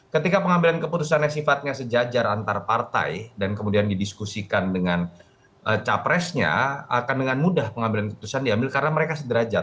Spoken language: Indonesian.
ketika pengambilan keputusan yang sifatnya sejajar antar partai dan kemudian didiskusikan dengan capresnya akan dengan mudah pengambilan keputusan diambil karena mereka sederajat